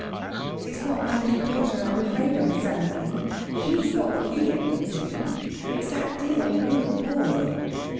"It's not my little daughter I'm afraid of, Sallykin. She's got the key of the position. It's that dear good boy."